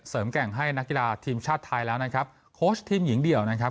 แก่งให้นักกีฬาทีมชาติไทยแล้วนะครับโค้ชทีมหญิงเดี่ยวนะครับ